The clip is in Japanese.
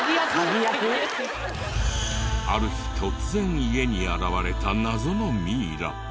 ある日突然家に現れた謎のミイラ。